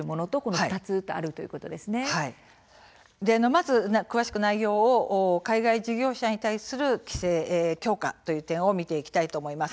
まず、詳しく内容を海外事業者に対する規制、強化という点を見ていきたいと思います。